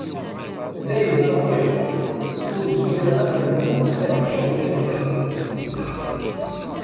Dayen ṛwiɣ, ur zmireɣ ad rnuɣ ad ččeɣ ula d kra.